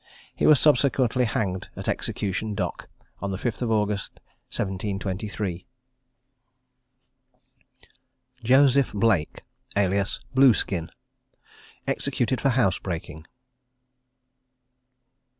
He was subsequently hanged at Execution Dock, on the 5th of August, 1723. JOSEPH BLAKE, alias BLUESKIN, EXECUTED FOR HOUSEBREAKING.